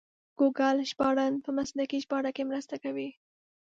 ګوګل ژباړن په مسلکي ژباړه کې مرسته کوي.